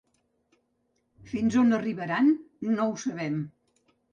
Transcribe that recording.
Fins on arribaran, no ho sabem.